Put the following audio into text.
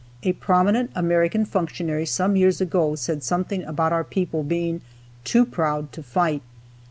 A prominent American functionary some years ago said something about our people being "too proud to fight."